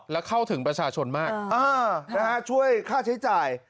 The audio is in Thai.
แล้วเข้าถึงประชาชนมากช่วยค่าใช้จ่าย